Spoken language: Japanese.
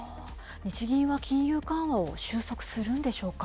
日銀は金融緩和を収束するんでしょうか。